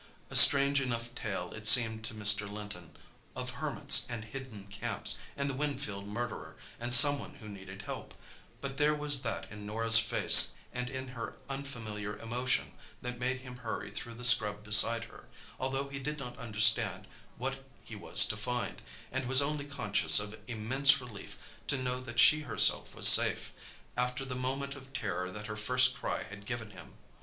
A strange enough tale it seemed to Mr. Linton—of hermits and hidden camps, and the Winfield murderer, and someone who needed help,—but there was that in Norah's face and in her unfamiliar emotion that made him hurry through the scrub beside her, although he did not understand what he was to find, and was only conscious of immense relief to know that she herself was safe, after the moment of terror that her first cry had given him.